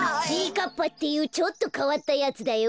かっぱっていうちょっとかわったやつだよ。